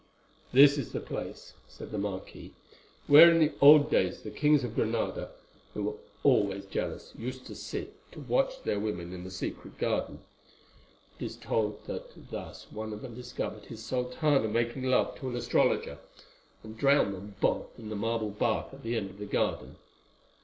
"'This is the place,' said the marquis, 'where in the old days the kings of Granada, who were always jealous, used to sit to watch their women in the secret garden. It is told that thus one of them discovered his sultana making love to an astrologer, and drowned them both in the marble bath at the end of the garden.